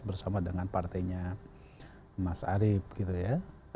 bersama dengan partainya mas arief gitu ya